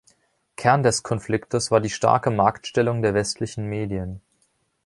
Kern des Konfliktes war die starke Marktstellung der westlichen Medien.